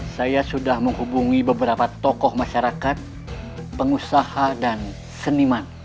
saya sudah menghubungi beberapa tokoh masyarakat pengusaha dan seniman